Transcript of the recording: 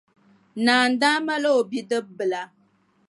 Naa n-daa mali o bidibbila.